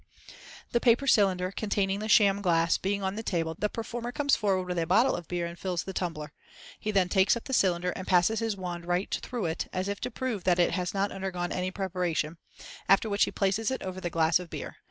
The paper cylinder, containing the sham glass, being on the table, the performer comes forward with a bottle of beer and fills the tumbler. He then takes up the cylinder and passes his wand right through it, as if to prove that it has not undergone any preparation, after which he places it over the glass of beer.